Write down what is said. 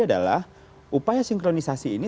adalah upaya sinkronisasi ini